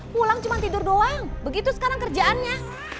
pulang cuma tidur doang begitu sekarang kerjaannya